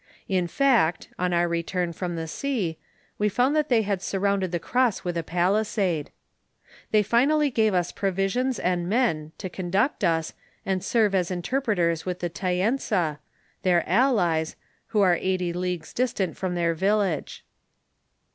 In fact, on our return from the sea, we found that they had surrounded the cross with a palisade. They finally gave us provisions and men, to conduct us, and serve as in terjireters with the Tacnsa, their allies, who are eighty leagues distant from their village.